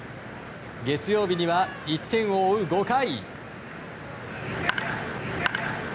月曜日には１点を追う５回。